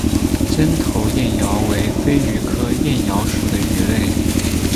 尖头燕鳐为飞鱼科燕鳐属的鱼类。